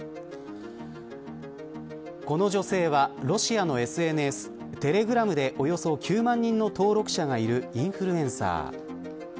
この女性は、ロシアのＳＮＳテレグラムでおよそ９万人の登録者がいるインフルエンサー。